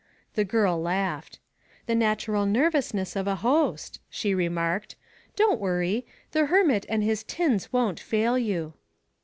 The girl laughed. "The natural nervousness of a host," she remarked. "Don't worry. The hermit and his tins won't fail you."